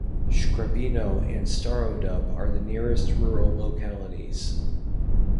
Shkryabino and Starodub are the nearest rural localities.